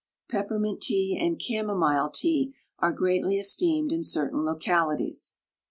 Peppermint tea and chamomile tea are greatly esteemed in certain localities.